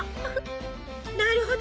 なるほど。